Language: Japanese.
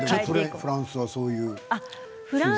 フランスはそういう感じ？